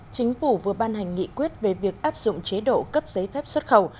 chính phủ vừa ban hành nghị quyết về việc áp dụng chế độ cấp giấy phép xuất khẩu